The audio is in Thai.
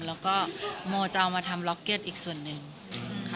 แล้วก็โมจะเอามาทำล็อกเก็ตอีกส่วนหนึ่งค่ะ